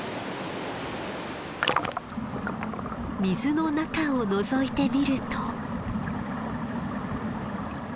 水の中をのぞいてみると。